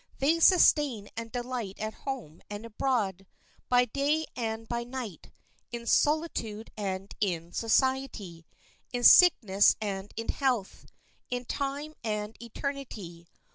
They sustain and delight at home and abroad, by day and by night, in solitude and in society, in sickness and in health, in time and eternity.